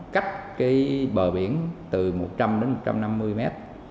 cách cái bờ biển từ một trăm linh đến một trăm năm mươi mét